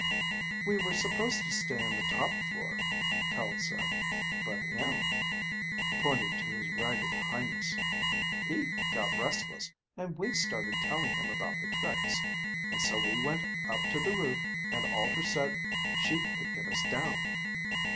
"We were supposed to stay on the top floor," Tel said. "But him," he pointed to his ragged Highness, "he got restless, and we started telling him about the tricks, and so we went up to the roof, and Alter said she could get us down."